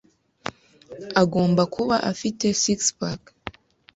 agomba kuba afite six pack,